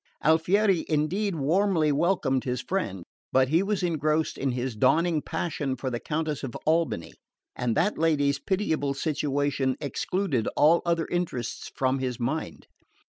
Alfieri, indeed, warmly welcomed his friend; but he was engrossed in his dawning passion for the Countess of Albany, and that lady's pitiable situation excluded all other interests from his mind.